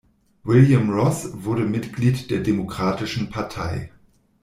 William Ross wurde Mitglied der Demokratischen Partei.